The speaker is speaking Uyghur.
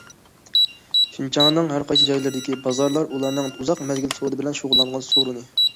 شىنجاڭنىڭ ھەر قايسى جايلىرىدىكى بازارلار ئۇلارنىڭ ئۇزاق مەزگىل سودا بىلەن شۇغۇللانغان سورۇنى.